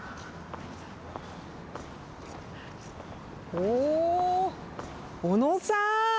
おお小野さん！